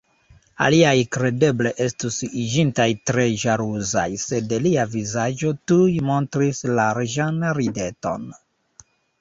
Aliaj kredeble estus iĝintaj tre ĵaluzaj, sed lia vizaĝo tuj montris larĝan rideton.